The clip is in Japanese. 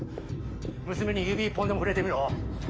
娘に指一本でも触れてみろ。